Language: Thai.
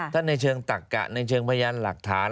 ถ้าในเชิงตักกะในเชิงพยานหลักฐาน